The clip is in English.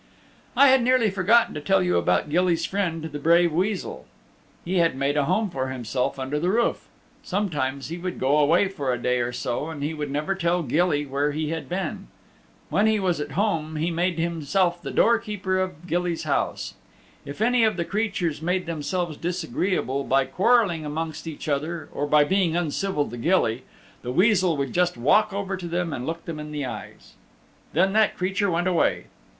I had nearly forgotten to tell you about Gilly's friend, the brave Weasel. He had made a home for himself under the roof. Sometimes he would go away for a day or so and he would never tell Gilly where he had been. When he was at home he made himself the door keeper of Gilly's house. If any of the creatures made themselves disagreeable by quarrelling amongst each other, or by being uncivil to Gilly, the Weasel would just walk over to them and look them in the eyes. Then that creature went away.